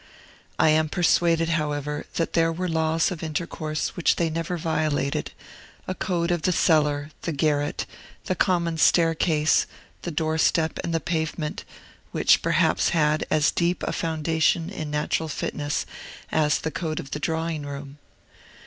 I am persuaded, however, that there were laws of intercourse which they never violated, a code of the cellar, the garret, the common staircase, the doorstep, and the pavement, which perhaps had as deep a foundation in natural fitness as the code of the drawing room.